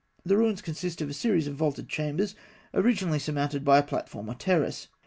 The ruins consist of a series of vaulted chambers, originally surmounted by a platform or terrace (fig.